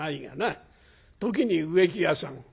時に植木屋さん